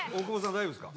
大丈夫ですか？